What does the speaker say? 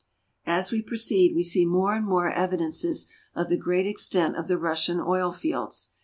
As we proceed, we see more and more evidences of the great extent of the Russian oil fields.